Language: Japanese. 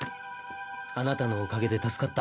あなたのおかげで助かった。